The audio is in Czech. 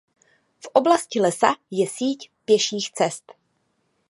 V oblasti lesa je síť pěších cest.